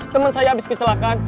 temen saya habis kesalahan